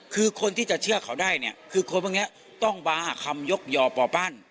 คือคนที่จะเชื่อเขาได้เนี่ยคือคนพวกนี้ต้องมาหาคำยกย่อป่อปั้น